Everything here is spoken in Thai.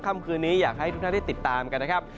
คำคืนนี้อยากให้ทุกท่านได้ติดตามกันนะครับ